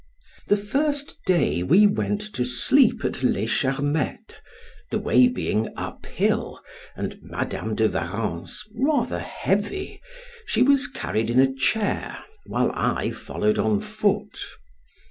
The first day we went to sleep at Charmettes, the way being up hill, and Madam de Warrens rather heavy, she was carried in a chair, while I followed on foot.